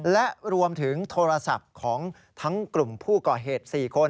และรวมถึงโทรศัพท์ของทั้งกลุ่มผู้ก่อเหตุ๔คน